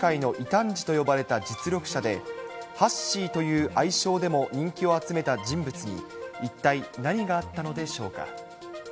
将棋界の異端児と呼ばれた実力者で、ハッシーという愛称でも人気を集めた人物に、一体何があったのでしょうか。